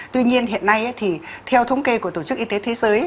tuy nhiên hiện nay thì theo thống kê của tổ chức y tế thế giới